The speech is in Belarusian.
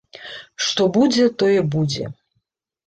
Што будзе, тое будзе.